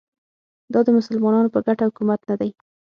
دا د مسلمانانو په ګټه حکومت نه دی